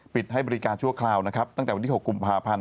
ปิดให้บริการชั่วคราวตั้งแต่วันที่๖กุมภาพันธ์